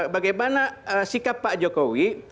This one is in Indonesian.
bagaimana sikap pak jokowi